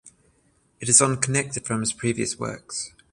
It is unconnected from his previous works.